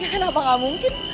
ya kenapa gak mungkin